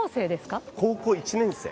高校１年生！